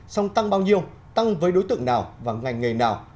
xong tăng bao nhiêu tăng với đối tượng nào và ngành nghề nào